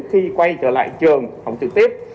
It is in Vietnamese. khi quay trở lại trường học trực tiếp